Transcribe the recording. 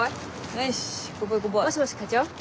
もしもし課長？